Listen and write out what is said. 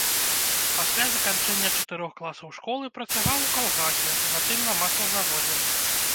Пасля заканчэння чатырох класаў школы працаваў у калгасе, затым на маслазаводзе.